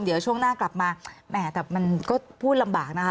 เดี๋ยวช่วงหน้ากลับมาแหมแต่มันก็พูดลำบากนะคะ